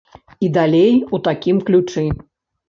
І далей у такім ключы.